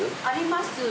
あります。